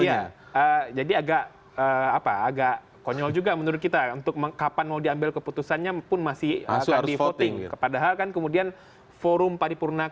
iya jadi agak apa agak konyol juga menurut kita untuk kapan mau diambil keputusannya pun masih akan di voting